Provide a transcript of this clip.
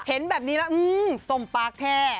เห็นแบบนี้แล้วสมปากแท้